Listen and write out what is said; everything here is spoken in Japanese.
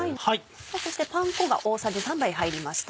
そしてパン粉が大さじ３杯入りました。